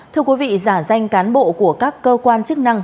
thưa quý vị giả danh cán bộ của các cơ quan chức năng